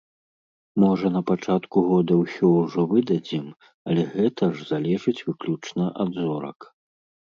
Можа на пачатку года ўсё ўжо выдадзім, але гэта ж залежыць выключна ад зорак.